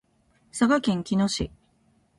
佐賀県嬉野市